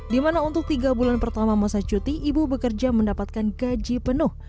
di mana untuk tiga bulan pertama masa cuti ibu bekerja mendapatkan gaji penuh